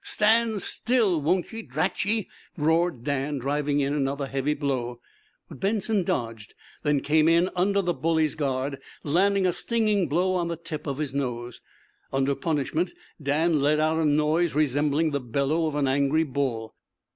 "Stand still, won't ye, drat ye?" roared Dan, driving in another heavy blow. But Benson dodged, then came in under the bully's guard, landing a stinging blow on the tip of his nose. Under punishment Dan let out a noise resembling the bellow of an angry bull.